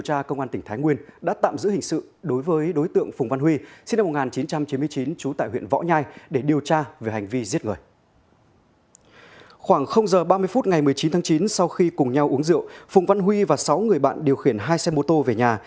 khoảng giờ ba mươi phút ngày một mươi chín tháng chín sau khi cùng nhau uống rượu phùng văn huy và sáu người bạn điều khiển hai xe mô tô về nhà